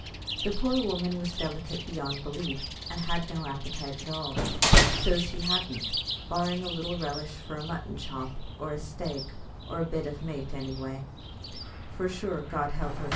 The poor woman was delicate beyond belief, and had no appetite at all, so she hadn't, barring a little relish for a mutton chop, or a "staik," or a bit o' mait, anyway; for sure, God help her!